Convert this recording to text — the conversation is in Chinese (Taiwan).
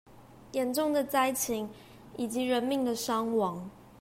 嚴重的災情以及人命的傷亡